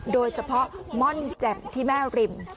โดยเฉพาะม่อนแจ่มที่แม่ริม